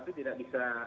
tapi tidak bisa